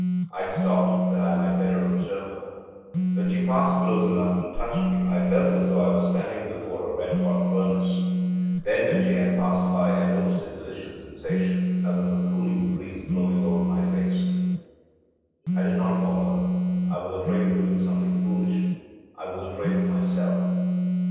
I stopped that I might better observe her. When she passed close enough to touch me I felt as though I were standing before a red hot furnace. Then, when she had passed by, I noticed a delicious sensation, as of a cooling breeze blowing over my face. I did not follow her. I was afraid of doing something foolish. I was afraid of myself.